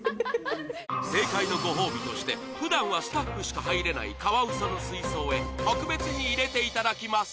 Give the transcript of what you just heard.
正解のご褒美として普段はスタッフしか入れないカワウソの水槽へ特別に入れていただきます